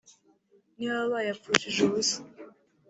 ni baba bayapfushije ubusa